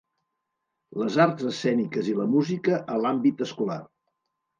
Les arts escèniques i la música a l'àmbit escolar.